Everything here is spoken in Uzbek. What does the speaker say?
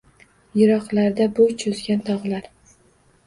Yiroqlarda boʼy choʼzgan togʼlar